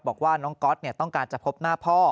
บอกว่าน้องก๊อตต้องการจะพบหน้าพ่อ